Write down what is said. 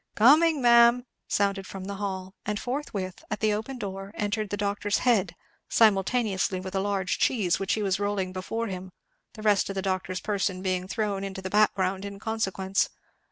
"Coming, ma'am!" sounded from the hall, and forthwith at the open door entered the doctor's head, simultaneously with a large cheese which he was rolling before him, the rest of the doctor's person being thrown into the background in consequence.